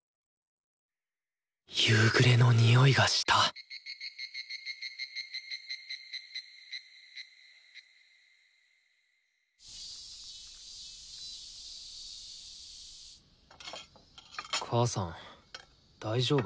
夕暮れのにおいがした母さん大丈夫？